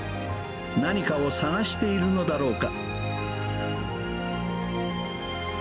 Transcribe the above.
何かを探しているのだろうか。